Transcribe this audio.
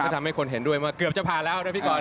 ทำให้คนเห็นด้วยว่าเกือบจะผ่านแล้วนะพี่กร